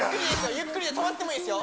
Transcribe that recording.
ゆっくりで止まってもいいですよ